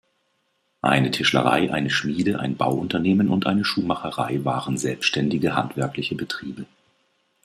Eine Tischlerei, eine Schmiede, ein Bauunternehmen und eine Schuhmacherei waren selbständige handwerkliche Betriebe.